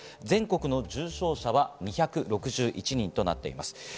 全国の重症者は２６１人となっています。